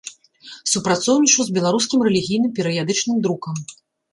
Супрацоўнічаў з беларускім рэлігійным перыядычным друкам.